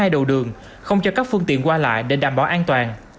hai đầu đường không cho các phương tiện qua lại để đảm bảo an toàn